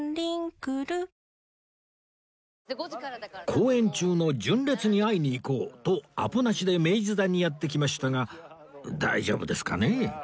公演中の純烈に会いに行こうとアポなしで明治座にやって来ましたが大丈夫ですかね？